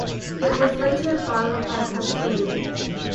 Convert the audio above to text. It was later borrowed by Castilian.